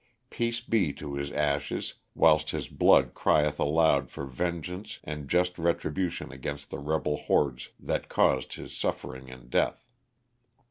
'' Peace be to his ashes," whilst his blood crieth aloud for vengeance and just retribution against the rebel hordes that caused his suffering and death.